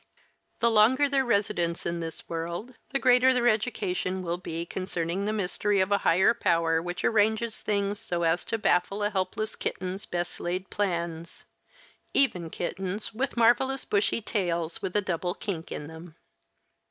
The longer their residence in this world, the greater their education will be concerning the mystery of a higher power which arranges things so as to baffle a helpless kitten's best laid pleasant plans, even kittens with marvellous bushy tails with a double kink in them.